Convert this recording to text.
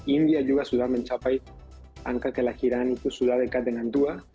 india juga sudah mencapai angka kelahiran itu sudah dekat dengan dua